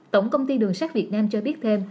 tổng công ty đường sắt việt nam cho biết thêm